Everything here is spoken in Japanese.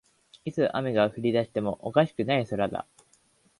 いつ雨が降りだしてもおかしくない空だ